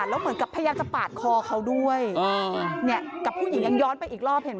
แล้วก็มาก่อเหตุอย่างที่คุณผู้ชมเห็นในคลิปนะคะ